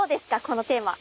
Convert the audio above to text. このテーマ。